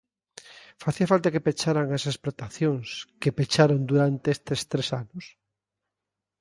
¿Facía falta que pecharan as explotacións que pecharon durante estes tres anos?